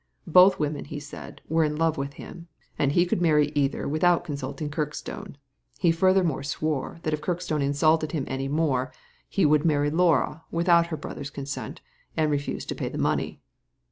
Both women, he said, were in love with him, and he could marry either without consulting Kirkstone. He furthermore swore that if Kirkstone insulted him any more, he Digitized by Google COMMENTS ON THE CRIME 69 would marry Laura without her brother's consent, and refuse to pay the money."